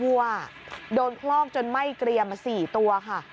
วัวโดนคลอกจนไหม้เกรียม๔ตัวค่ะ